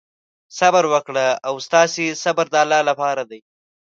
صبر وکړئ او ستاسې صبر د الله لپاره دی.